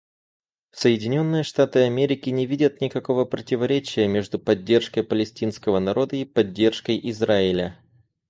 Соединенные Штаты Америки не видят никакого противоречия между поддержкой палестинского народа и поддержкой Израиля.